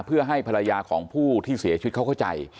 เพื่อให้ภรรยาของผู้ที่เสียชีวิตเขาเข้าใจ